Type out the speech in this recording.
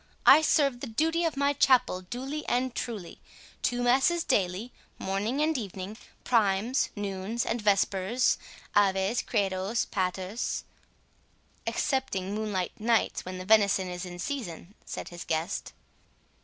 —I serve the duty of my chapel duly and truly—Two masses daily, morning and evening, primes, noons, and vespers, 'aves, credos, paters'—" "Excepting moonlight nights, when the venison is in season," said his guest.